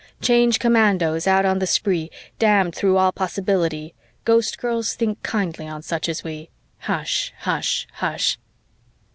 Change Commandos out on the spree, Damned through all possibility, Ghostgirls, think kindly on such as we, Hush hush hush!